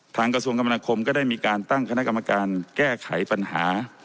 กระทรวงกรรมนาคมก็ได้มีการตั้งคณะกรรมการแก้ไขปัญหา